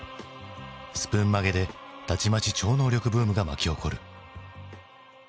スプーン曲げでたちまち超能力ブームが巻き起こる。